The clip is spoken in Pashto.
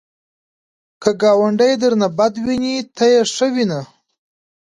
که ګاونډی درنه بد ویني، ته یې ښه وینه